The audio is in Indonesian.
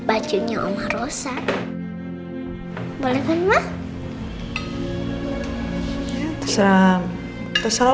bajunya oma rosa